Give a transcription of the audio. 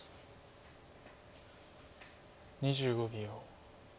２５秒。